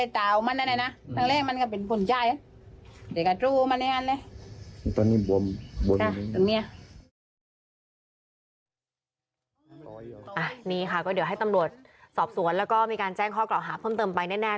นี่ค่ะก็เดี๋ยวให้ตำรวจสอบสวนแล้วก็มีการแจ้งข้อกล่าวหาเพิ่มเติมไปแน่